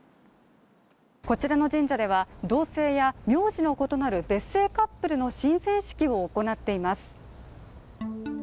こちらの神社では、同性や名字の異なる別姓カップルの神前式を行っています。